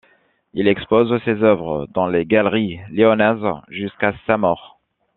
Il expose ses œuvres dans les galeries lyonnaises jusqu'à sa mort.